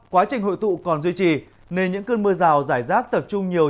quá trình hội tụ còn duy trì nên những cơn mưa rào rải rác tập trung nhiều